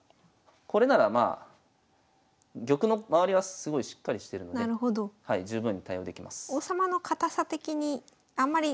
これならまあ玉の周りはすごいしっかりしてるので十分に対応できます。